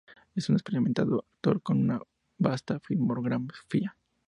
Es un experimentado actor con una vasta filmografía.